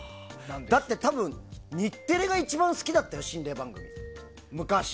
多分、日テレが一番好きだったよ、心霊番組。